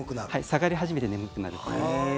下がり始めて眠くなる。